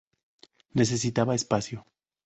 Necesitaba espacio.